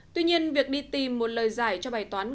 tuy nhiên việc đi tìm một lời giải cho bài toán